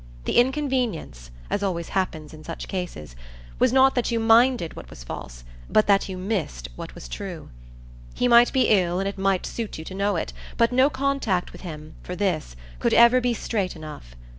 The inconvenience as always happens in such cases was not that you minded what was false, but that you missed what was true. He might be ill and it might suit you to know it, but no contact with him, for this, could ever be straight enough.